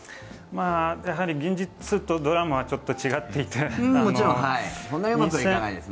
やはり現実とドラマはちょっと違っていて。